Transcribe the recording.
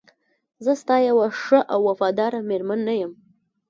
زه ستا یوه ښه او وفاداره میرمن نه یم؟